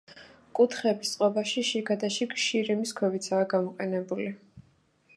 კუთხეების წყობაში, შიგადაშიგ, შირიმის ქვებიცაა გამოყენებული.